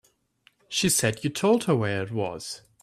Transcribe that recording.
She said you told her where it was.